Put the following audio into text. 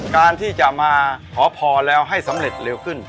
การที่จะมาขอพรแล้วให้สำเร็จเร็วขึ้น